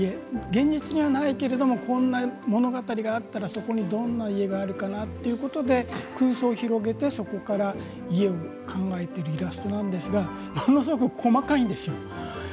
現実にはないけれどもこんな物語があったらそこにどんな家があるかな？ということで空想を広げて、そこから家を考えているイラストなんですがものすごく細かいんですよ。